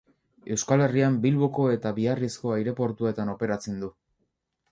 Euskal Herrian Bilboko eta Biarrizko aireportuetan operatzen du.